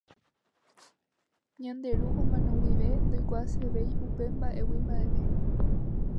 Ñande ru omano guive ndoikuaasevéi upemba'égui mba'eve.